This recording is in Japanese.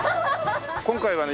今回はね